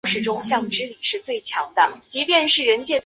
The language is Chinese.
没有较高层级的教会宣言抨击在人类之外的演化论。